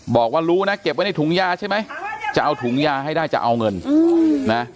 บอกว่ารู้นะเก็บไว้ในถุงยาใช่ไหมจะเอาถุงยาให้ได้จะเอาเงินนะ